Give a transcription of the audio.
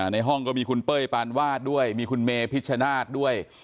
ในห้องก็มีคุณเป้ยปานวาดด้วยมีคุณเมพิชชนาธิ์ด้วย